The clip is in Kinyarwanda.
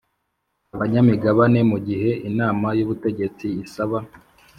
abanyamigabane Mu gihe Inama y Ubutegetsi isaba